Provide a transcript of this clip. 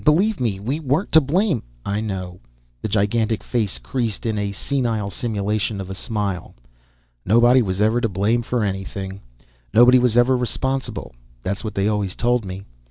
Believe me, we weren't to blame " "I know." The gigantic face creased in senile simulation of a smile. "Nobody was ever to blame for anything, nobody was ever responsible. That's what they always told me.